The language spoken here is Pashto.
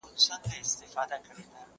زه اجازه لرم چي درسونه اورم،